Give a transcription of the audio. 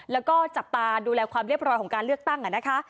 แล้วก็จับตาดูแลความเรียบร้อยของการเลือกตั้งนะคะ